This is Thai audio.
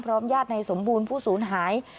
พร้อมญาตินายสมบูรณ์ผู้สูญหาย